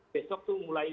besok tuh mulai